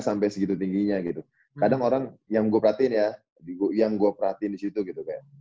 sampai segitu tingginya gitu kadang orang yang gue perhatiin ya yang gue perhatiin disitu gitu kayak